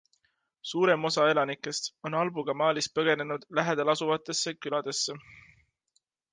Suurem osa elanikest on Albu Kamalist põgenenud lähedalasuvatesse küladesse.